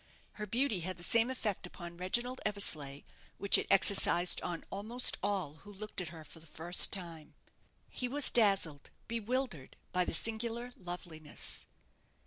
Her beauty had the same effect upon Reginald Eversleigh which it exercised on almost all who looked at her for the first time. He was dazzled, bewildered, by the singular loveliness.